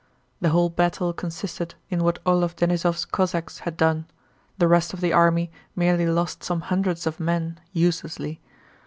The whole battle consisted in what Orlóv Denísov's Cossacks had done: the rest of the army merely lost some hundreds of men uselessly.